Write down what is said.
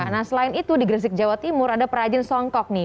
nah selain itu di gresik jawa timur ada perajin songkok nih